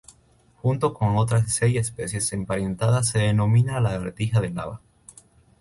Junto con otras seis especies emparentadas se denominan lagartijas de lava.